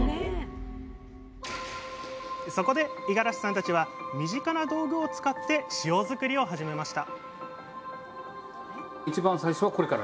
そこで五十嵐さんたちは身近な道具を使って塩づくりを始めました